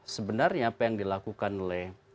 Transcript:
sebenarnya apa yang dilakukan oleh